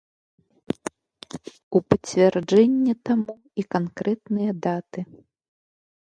У пацвярджэнне таму і канкрэтныя даты.